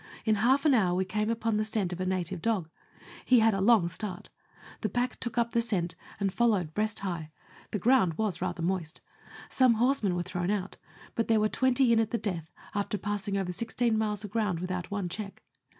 In half an hour we came on the scent of a native dog ; he had a long start ; the pack took up the scent, and followed breast high; the ground was rather moist ; some horsemen were thrown out ; but there were twenty in at the death, after passing over sixteen miles of ground without one check.